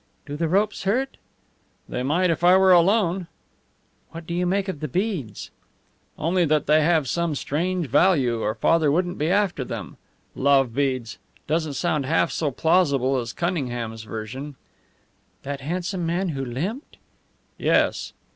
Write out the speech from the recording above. "Do the ropes hurt?" "They might if I were alone." "What do you make of the beads?" "Only that they have some strange value, or father wouldn't be after them. Love beads! Doesn't sound half so plausible as Cunningham's version." "That handsome man who limped?" "Yes."